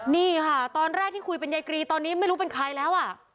นี่ค่ะตอนแรกที่คุยเป็นยายกรีตอนนี้ไม่รู้เป็นใครแล้วอ่ะ